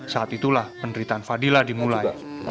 saat itulah penderitaan fadila dimulai